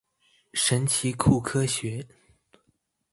神奇酷科學